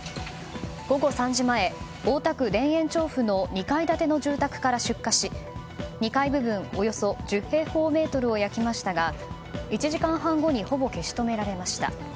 午後３時前、大田区田園調布の２階建ての住宅から出火し２階部分およそ１０平方メートルを焼きましたが１時間半後にほぼ消し止められました。